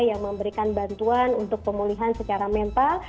yang memberikan bantuan untuk pemulihan secara mental